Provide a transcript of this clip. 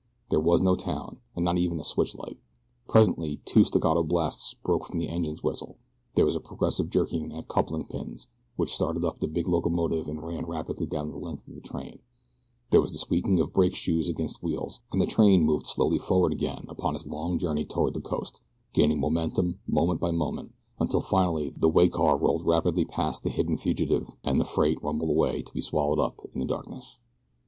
There was no town, and not even a switch light. Presently two staccato blasts broke from the engine's whistle, there was a progressive jerking at coupling pins, which started up at the big locomotive and ran rapidly down the length of the train, there was the squeaking of brake shoes against wheels, and the train moved slowly forward again upon its long journey toward the coast, gaining momentum moment by moment until finally the way car rolled rapidly past the hidden fugitive and the freight rumbled away to be swallowed up in the darkness.